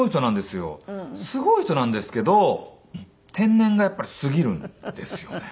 すごい人なんですけど天然がやっぱりすぎるんですよね。